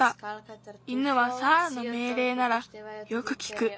犬はサーラのめいれいならよくきく。